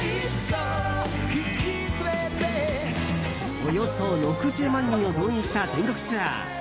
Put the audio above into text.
およそ６０万人を動員した全国ツアー。